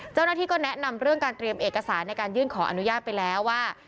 เจ้าหน้าที่ก็แนะนำเรื่องการเตรียมเอกสารในการยื่นขออนุญาตไปแล้วว่า